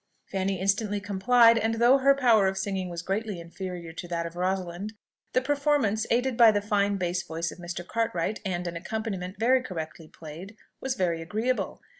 Fanny instantly complied; and though her power of singing was greatly inferior to that of Rosalind, the performance, aided by the fine bass voice of Mr. Cartwright, and an accompaniment very correctly played, was very agreeable.